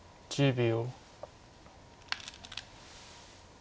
１０秒。